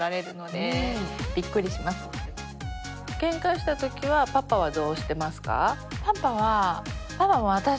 ケンカした時はパパはどうしてますか？